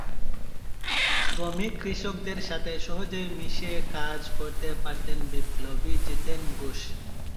শ্রমিক কৃষকদের সাথে সহজেই মিশে কাজ করতে পারতেন বিপ্লবী জিতেন ঘোষ।